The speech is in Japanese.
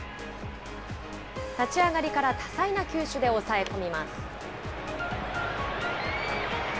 立ち上がりから多彩な球種で抑え込みます。